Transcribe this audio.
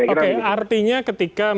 oke artinya ketika misalnya